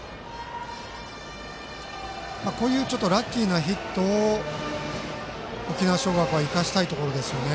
こういうラッキーなヒットを沖縄尚学は生かしたいところですね。